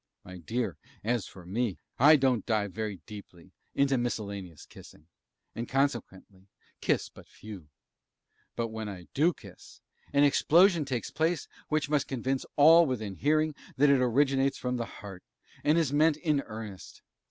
My dear, as for me, I don't dive very deeply into miscellaneous kissing, and consequently kiss but few; but when I do kiss, an explosion takes place which must convince all within hearing that it originates from the heart, and is meant in earnest.